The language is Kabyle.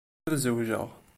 Ad zewjeɣ.